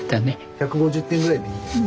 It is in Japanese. １５０点ぐらいでいいですか？